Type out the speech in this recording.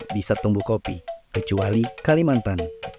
bisa tumbuh kopi kecuali kalimantan